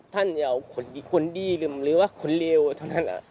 จะเอาคนดีหรือว่าคนเลวเท่านั้น